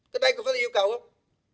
cái đây có phải là yêu cầu không